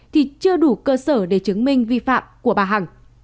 thì chưa đủ cơ sở để chứng minh vi phạm của bà hằng